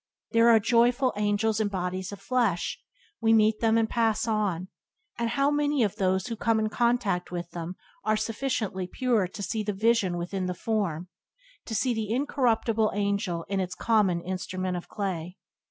There are joyful angels in bodies of flesh; we meet them and pass on; and how many of those who come in contact with them are sufficiently pure to see vision within the form — to see the incorruptible angel in its common instrument of clay?